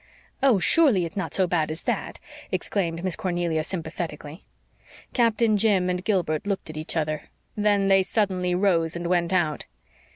"Oh, surely, it's not so bad as that!" exclaimed Miss Cornelia, sympathetically. Captain Jim and Gilbert looked at each other. Then they suddenly rose and went out.